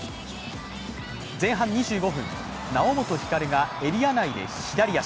前半２５分、猶本光がエリア内で左足。